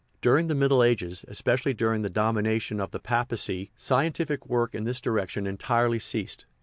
During the Middle Ages es pecially during the domination of the papacy scien tific work in this direction entirely ceased.